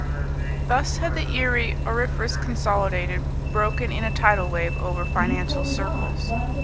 Thus had the Erie Auriferous Consolidated broken in a tidal wave over financial circles.